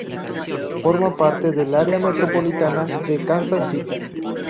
Forma parte del Área metropolitana de Kansas City.